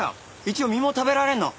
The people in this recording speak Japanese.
一応実も食べられるの。